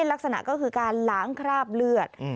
ลักษณะก็คือการล้างคราบเลือด